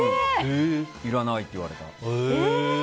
いらないって言われた。